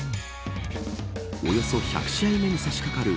およそ１００試合目にさしかかる